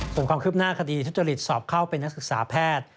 ส่วนความคืบหน้าคดีทุจริตสอบเข้าเป็นนักศึกษาแพทย์